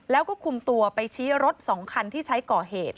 แล้วก็คุมตัวไปชี้รถ๒คันที่ใช้ก่อเหตุ